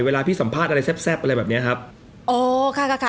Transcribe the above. เวลาพี่สัมภาษณ์อะไรแซ่บแซ่บอะไรแบบเนี้ยครับอ๋อค่ะค่ะ